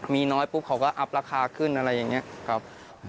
มีน้อยปุ๊บเขาก็อัพราคาขึ้นอะไรอย่างนี้ครับ